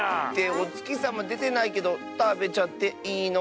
おつきさまでてないけどたべちゃっていいのかなあ。